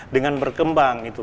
dengan berkembang itu